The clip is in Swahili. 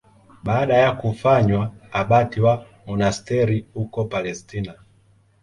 Baada ya kufanywa abati wa monasteri huko Palestina.